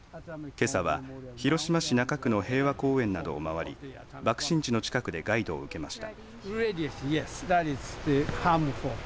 けさは広島市中区の平和公園などを回り爆心地の近くでガイドを受けました。